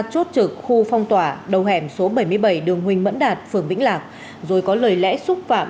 chốt trực khu phong tỏa đầu hẻm số bảy mươi bảy đường huỳnh mẫn đạt phường vĩnh lạc rồi có lời lẽ xúc phạm